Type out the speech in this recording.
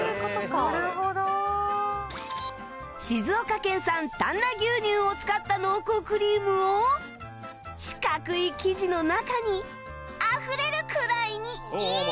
静岡県産丹那牛乳を使った濃厚クリームを四角い生地の中にあふれるくらいにイン！